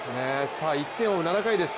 １点を追う７回です。